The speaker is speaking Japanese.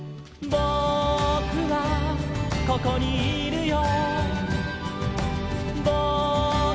「ぼくはここにいるよ」